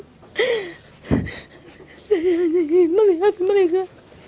saya hanya ingin melihat mereka